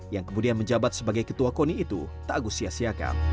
yang kemudian menjabat sebagai ketua koni itu tak agus sia siakan